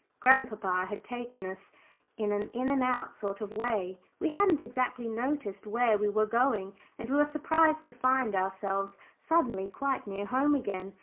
Grandpapa had taken us an in and out sort of way we hadn't exactly noticed where we were going, and we were surprised to find ourselves suddenly quite near home again.